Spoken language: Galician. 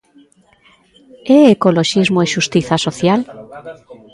E ecoloxismo e xustiza social?